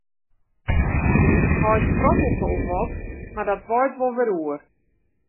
Us heit prottelet al wat, mar dat waait wol wer oer.